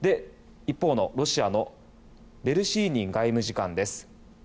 一方のロシアのベルシーニン外務次官です。